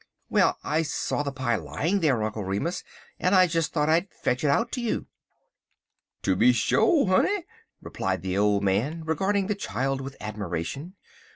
"Well, I saw the pie lying there, Uncle Remus, and I just thought I'd fetch it out to you." "Tooby sho, honey," replied the old man, regarding the child with admiration.